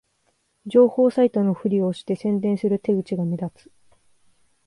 情報サイトのふりをして宣伝する手口が目立つ